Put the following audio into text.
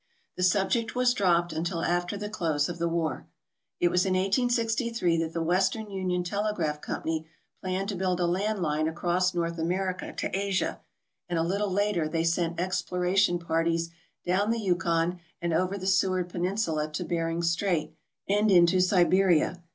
The subject was dropped until after the close of the war. It was in 1863 that the Western Union Telegraph Com pany planned to build a land line across North America to Asia, and a little later they sent exploration parties down the Yukon and over the Seward Peninsula to Bering Strait and into Siberia.